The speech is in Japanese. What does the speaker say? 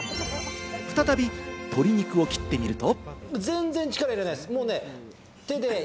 再び鶏肉を切ってみると。